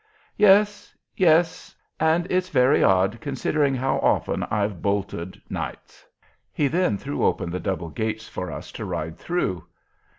"Yes, yes—and it's very odd, considering how often I've bolted, nights." He then threw open the double gates for us to ride through.